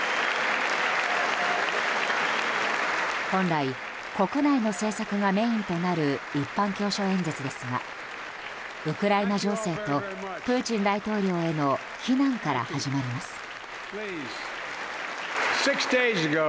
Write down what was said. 本来、国内の政策がメインとなる一般教書演説ですがウクライナ情勢とプーチン大統領への非難から始まります。